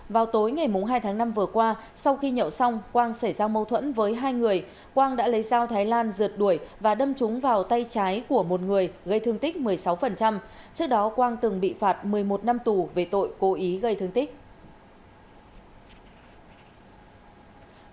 vào tối ngày hai tháng năm vừa qua sau khi nhậu xong quang xảy ra mâu thuẫn với hai người quang đã lấy dao thái lan rượt đuổi và đâm trúng vào tay trái của một người gây thương tích một mươi sáu trước đó quang từng bị phạt một mươi một năm tù về tội cố ý gây thương tích